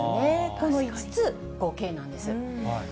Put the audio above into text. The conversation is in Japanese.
この５つ、５Ｋなんです。